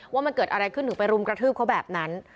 ว่ามันเกิดอะไรขึ้นถึงไปรุมกระทืบเขาแบบนั้น